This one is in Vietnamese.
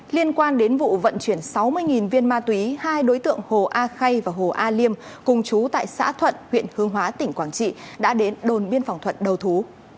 liên quan đến vụ vận chuyển sáu mươi viên ma túy hai đối tượng hồ a khay và hồ a liêm cùng chú tại xã thuận huyện hương hóa tỉnh quảng trị đã đến đồn biên phòng thuận đầu thú